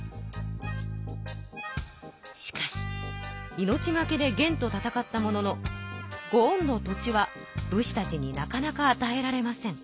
しかし命がけで元と戦ったもののご恩の土地は武士たちになかなかあたえられません。